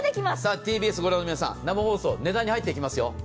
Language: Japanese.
ＴＢＳを御覧の皆さん、お値段に入っていきますよ。